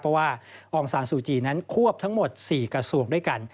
เพราะว่าองซานซูจีนั้นควบทั้งหมด๔กระทรวงด้วยกัน